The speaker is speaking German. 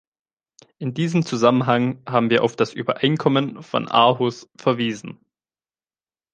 In diesem Zusammenhang haben wir auf das Übereinkommen von Aarhus verwiesen.